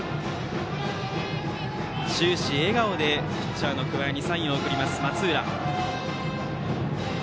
終始笑顔でピッチャーの桑江にサインを送る松浦。